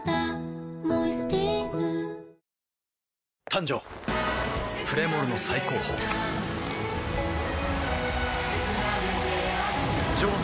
誕生プレモルの最高峰プシュッ！